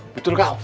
itu tuh kau